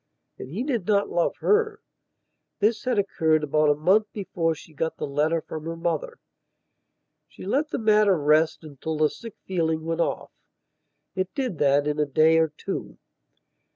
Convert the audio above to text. And he did not love her.... This had occurred about a month before she got the letter from her mother. She let the matter rest until the sick feeling went off; it did that in a day or two.